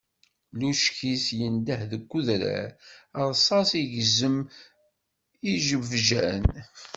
Lučkis yendeh deg udrar, Rsas igezzem ijebjan.